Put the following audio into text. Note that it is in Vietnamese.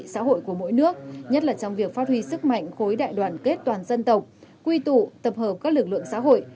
xã hội của mỗi nước nhất là trong việc phát huy sức mạnh khối đại đoàn kết toàn dân tộc quy tụ tập hợp các lực lượng xã hội